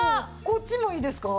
こっちもいいですか？